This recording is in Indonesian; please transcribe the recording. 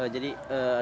jadi ada berapa rumah